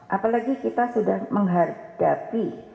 apalagi kita sudah menghadapi